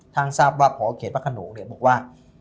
ทราบว่าพอเขตพระขนงบอกว่า